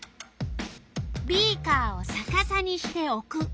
ビーカーをさかさにしておく。